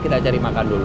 kita cari makan dulu